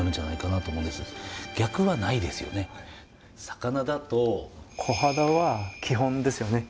魚だとコハダは基本ですよね。